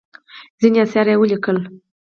ځینې اثار یې ولیکل.